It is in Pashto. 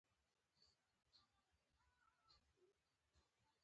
نو پښتانه دې هم بیا دا زغم ولري